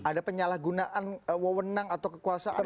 ada penyalahgunaan wewenang atau kekuasaan